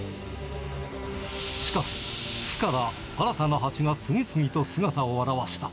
しかし、巣から新たなハチが次々と姿を現した。